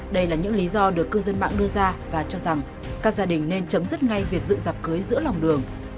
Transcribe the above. đây là những lý do được cư dân mạng đưa ra và cho rằng các gia đình nên chấm dứt ngay việc dựng dạp cưới giữa lòng đường